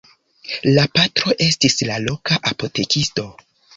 La patro estis la loka apotekisto.